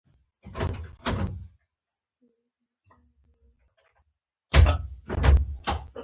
ورزش د بدن ټول غړي متوازن ساتي.